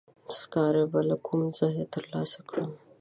سکاره به له کومه ځایه تر لاسه کړم؟